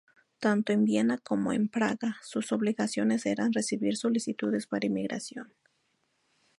Tanto en Viena como en Praga sus obligaciones eran recibir solicitudes para emigración.